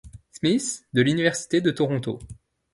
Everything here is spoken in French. Smith de l'université de Toronto.